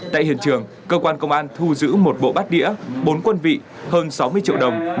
tại hiện trường cơ quan công an thu giữ một bộ bát đĩa bốn quân vị hơn sáu mươi triệu đồng